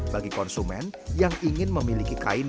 bagi konsumen yang ingin memiliki kain